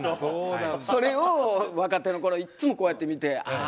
それを若手の頃いっつもこうやって見てああ